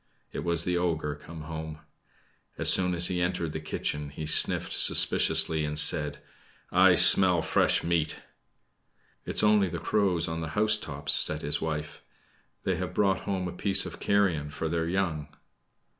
It was the ogre come home. As soon as he entered the kitchen, he sniffed suspiciously, and said: "I smell fresh meat!" "It is only the crows on the housetops," said his wife. "They have brought home a piece of carrion for their young."